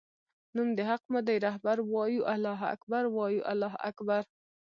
نوم د حق مودی رهبر وایو الله اکبر وایو الله اکبر